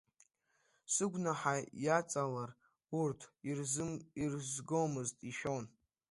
Сыгәнаҳа иаҵалар урҭ ирызгомызт, ишәон…